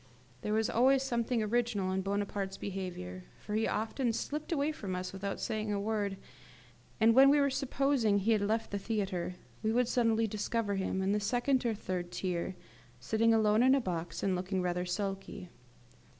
There was always something original in Bonaparte's behaviour, for he often slipped away from us without saying a word; and when we were supposing he had left the theatre, we would suddenly discover him in the second or third tier, sitting alone in a box, and looking rather sulky.